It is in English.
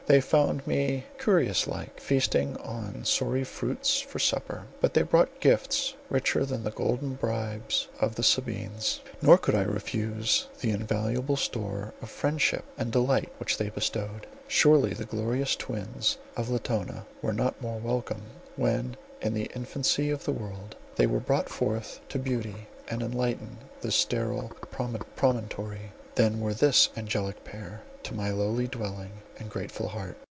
They found me Curius like, feasting on sorry fruits for supper; but they brought gifts richer than the golden bribes of the Sabines, nor could I refuse the invaluable store of friendship and delight which they bestowed. Surely the glorious twins of Latona were not more welcome, when, in the infancy of the world, they were brought forth to beautify and enlighten this "sterile promontory," than were this angelic pair to my lowly dwelling and grateful heart.